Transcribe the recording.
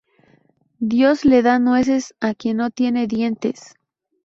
Dios le da nueces a quien no tiene dientes